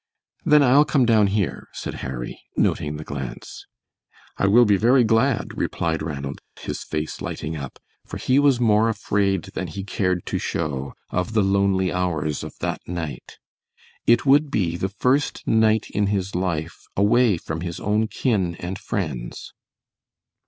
"Then I'll come down here," said Harry, noting the glance. "I will be very glad," replied Ranald, his face lighting up, for he was more afraid than he cared to show of the lonely hours of that night. It would be the first night in his life away from his own kin and friends.